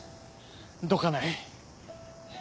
どかない。